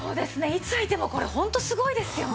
いつ見てもこれホントすごいですよね。